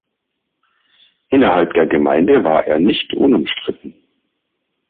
Innerhalb der Gemeinde war er nicht unumstritten.